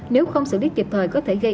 nếu không sự đi kịp thời có thể gây